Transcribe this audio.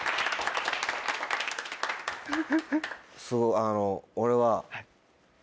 すごいあの俺は。